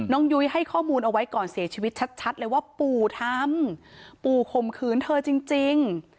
ยุ้ยให้ข้อมูลเอาไว้ก่อนเสียชีวิตชัดเลยว่าปู่ทำปู่ข่มขืนเธอจริง